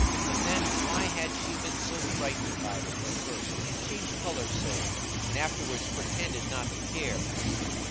But then, why had she been so frightened about it at first, and changed colour so, and afterwards pretended not to care?